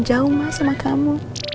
jauh mas sama kamu